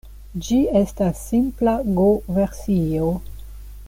Ĝi estas simpla Go-versio.